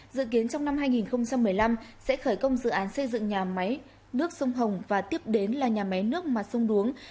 dự kiến trong năm hai nghìn một mươi năm sẽ khởi công dự án xây dựng nhà máy nước sông hồng và tiếp đến là nhà máy nước mặt sông đuống